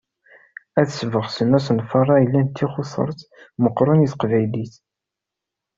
Ad sbeɣsen asenfar-a ilan tixutert meqqren i teqbaylit.